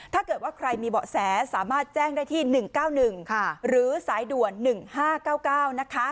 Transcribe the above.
ถ้าเกิดว่าใครมีเบาะแสสามารถแจ้งได้ที่๑๙๑หรือสายด่วน๑๕๙๙นะคะ